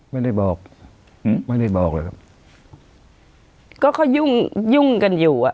ไม่ได้บอกอหือไม่ได้บอกหรือครับก็เขายุ่งกันอยู่